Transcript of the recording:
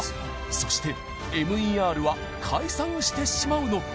そしてＭＥＲは解散してしまうのか？